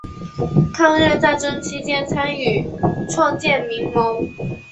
抗日战争期间参与创建民盟。